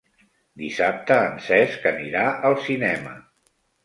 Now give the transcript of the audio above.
Dissabte en Cesc anirà al cinema.